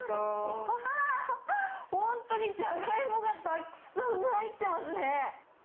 うわー、本当にじゃがいもがたくさん入ってますね。